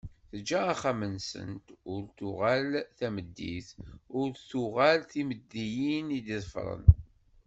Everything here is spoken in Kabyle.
Teǧǧa axxam-nsen, ur d-tuɣal tameddit, ur d-tuɣal timeddiyin i d-iḍefren.